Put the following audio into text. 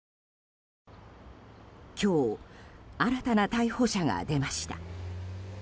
今日、新たな逮捕者が出ました。